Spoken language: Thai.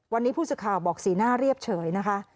วันนี้ผู้สื่อข่าวบอกสีหน้าเรียบเฉยนะคะ